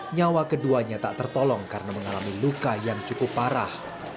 nyawa keduanya tak tertolong karena mengalami luka yang cukup parah